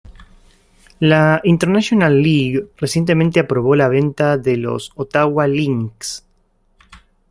La International League recientemente aprobó la venta de los Ottawa Lynx.